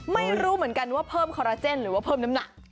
ไม่รู้เหมือนกันว่าเพิ่มคอราเจนหรือว่าเพิ่มน้ำหนัก